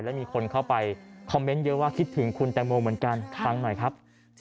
และมีคนเข้าไปคอมเมนต์เยอะว่าคิดถึงคุณแตงโมเหมือนกันฟังหน่อยครับ